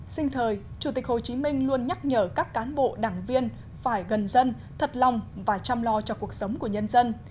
sinh thời chủ tịch hồ chí minh luôn nhắc nhở các cán bộ đảng viên phải gần dân thật lòng và chăm lo cho cuộc sống của nhân dân